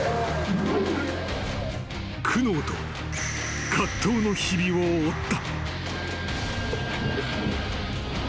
［苦悩と葛藤の日々を追った］